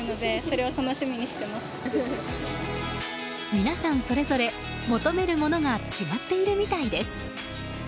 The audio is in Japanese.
皆さん、それぞれ求めるものが違っているみたいです。